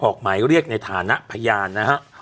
ออกหมายเรียกในฐานะพยานนะฮะ